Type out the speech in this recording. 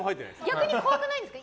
逆に怖くないですか。